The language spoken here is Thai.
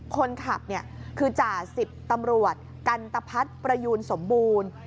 คนขับคือจ่าสิบตำรวจกันตะพัฒน์ประยูนสมบูรณ์